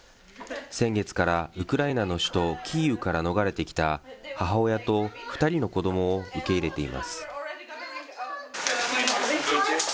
先月から、ウクライナの首都キーウから逃れてきた母親と２人の子どもを受け入れています。